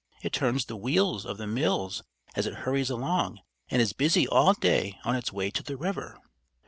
"It turns the wheels of the mills as it hurries along, and is busy all day on its way to the river."